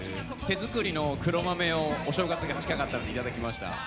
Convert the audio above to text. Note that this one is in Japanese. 手作りの黒豆をお正月が近かったので頂きました。